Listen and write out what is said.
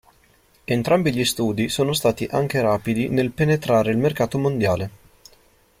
Entrambi gli studi sono stati anche rapidi nel penetrare il mercato mondiale.